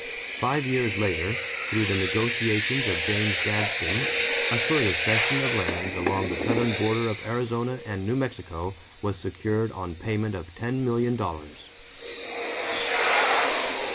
Five years later, through the negotiations of James Gadsden, a further cession of lands along the southern border of Arizona and New Mexico was secured on payment of ten million dollars.